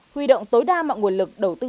huy động tối đa mọi nguồn lực đầu tư